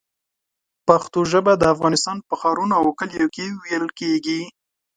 پښتو ژبه د افغانستان په ښارونو او کلیو کې ویل کېږي.